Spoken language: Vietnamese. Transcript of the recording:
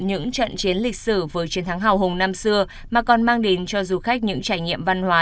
những trận chiến lịch sử với chiến thắng hào hùng năm xưa mà còn mang đến cho du khách những trải nghiệm văn hóa